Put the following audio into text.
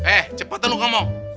eh cepetan lu ngomong